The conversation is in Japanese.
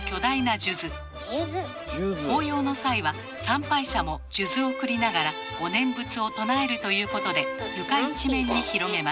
法要の際は参拝者も数珠を繰りながらお念仏を唱えるということで床一面に広げます。